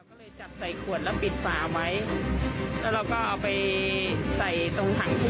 โอ้โฮ